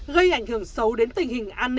gây ảnh hưởng xấu đến tình hình an ninh trật tự xã hội